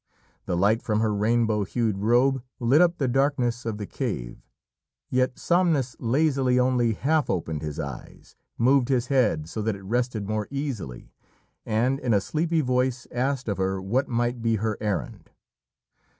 The light from her rainbow hued robe lit up the darkness of the cave, yet Somnus lazily only half opened his eyes, moved his head so that it rested more easily, and in a sleepy voice asked of her what might be her errand.